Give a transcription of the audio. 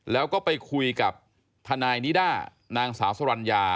แล้วก็ไปคุยกับทนายนิด้านางสาวสรรญา